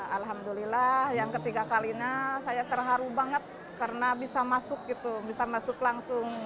alhamdulillah yang ketiga kalinya saya terharu banget karena bisa masuk gitu bisa masuk langsung